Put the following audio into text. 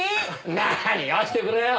何よしてくれよ。